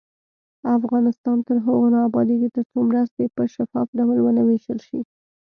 افغانستان تر هغو نه ابادیږي، ترڅو مرستې په شفاف ډول ونه ویشل شي.